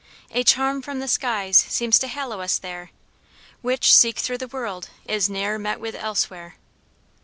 A charm from the skies seems to hallow us there, Which, seek through the world, is ne'er met with elsewhere."